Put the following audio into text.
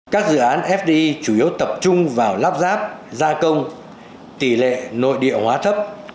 các dự án fdi chủ yếu tập trung vào lắp ráp gia công tỷ lệ nội địa hóa thấp